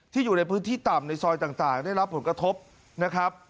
อยู่ในพื้นที่ต่ำในซอยต่างได้รับผลกระทบนะครับ